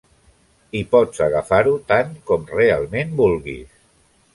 I pots agafar-ho tant com realment vulguis.